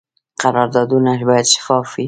قراردادونه باید شفاف وي